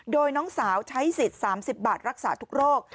โดยน้องสาวใช้สิทธิ์๓๐บาทรักษาทุกโรค